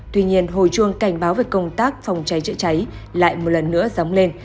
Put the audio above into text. tuy nhiên hồi chuông cảnh báo về công tác phòng cháy chữa cháy lại một lần nữa dóng lên